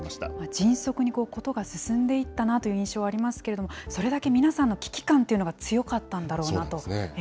迅速に事が進んでいったなという印象はありますけれども、それだけ皆さんの危機感っていうのが強かったんだろうなと。